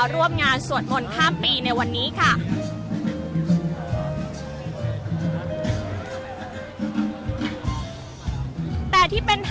อาจจะออกมาใช้สิทธิ์กันแล้วก็จะอยู่ยาวถึงในข้ามคืนนี้เลยนะคะ